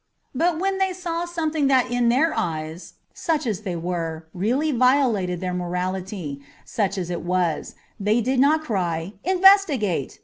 But when they saw something that in their eyes, such as they were, really violated their morality, such as it was, then they did not cry ' Investigate